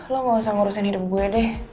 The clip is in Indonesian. lo gak usah ngurusin hidup gue deh